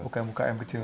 ukm ukm kecil ya